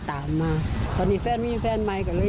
เพราะไม่เคยถามลูกสาวนะว่าไปทำธุรกิจแบบไหนอะไรยังไง